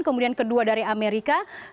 kemudian kedua dari amerika